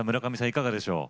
いかがでしょう？